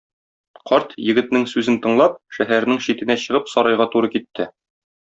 Карт, егетнең сүзен тыңлап, шәһәрнең читенә чыгып сарайга туры китте.